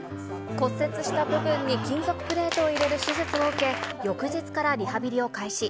骨折した部分に金属プレートを入れる手術を受け、翌日からリハビリを開始。